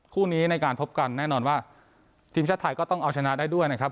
คู่นี้ในการพบกันแน่นอนว่าทีมชาติไทยก็ต้องเอาชนะได้ด้วยนะครับ